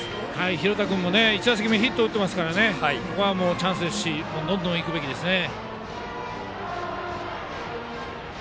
廣田君も１打席目ヒットを打っていますからここはチャンスですしどんどんいくべきですね。